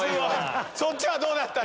そっちはどうだったの？